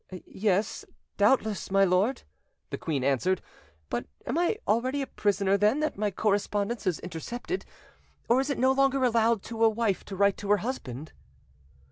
"Yes, doubtless, my lord," the queen answered; "but am I already a prisoner, then, that my correspondence is intercepted? or is it no longer allowed to a wife to write to her husband?"